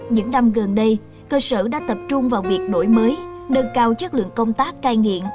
những năm gần đây cơ sở đã tập trung vào việc đổi mới nâng cao chất lượng công tác cai nghiện